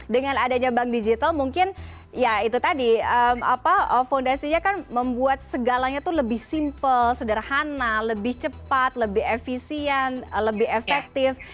dengan adanya bank digital mungkin ya itu tadi fondasinya kan membuat segalanya itu lebih simple sederhana lebih cepat lebih efisien lebih efektif